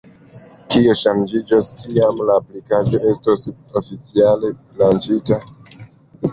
Kio ŝanĝiĝos, kiam la aplikaĵo estos oficiale lanĉita?